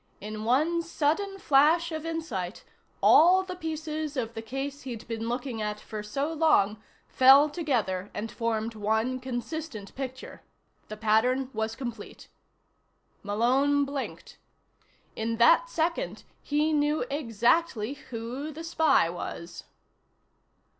In one sudden flash of insight, all the pieces of the case he'd been looking at for so long fell together and formed one consistent picture. The pattern was complete. Malone blinked. In that second, he knew exactly who the spy was.